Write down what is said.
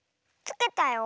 つけたよ。